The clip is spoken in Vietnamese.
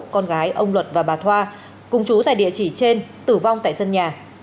con gái ông luật và bà thoa cùng chú tại địa chỉ trên tử vong tại sân nhà